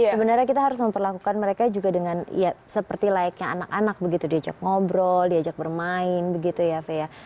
sebenarnya kita harus memperlakukan mereka juga dengan ya seperti layaknya anak anak begitu diajak ngobrol diajak bermain begitu ya ve ya